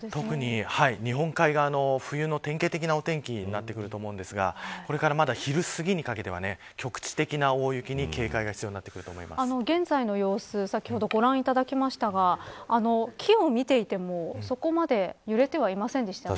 日本海側の冬の典型的のお天気になってくると思いますがこれからまだ昼すぎにかけては局地的な大雪に警戒が必要になってくると現在の様子先ほど、ご覧いただきましたが木を見ていても、そこまで揺れてはいませんでしたね。